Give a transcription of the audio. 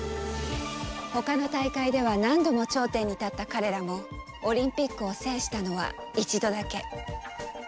他の大会では何度も頂点に立った彼らもオリンピックを制したのは１度だけ。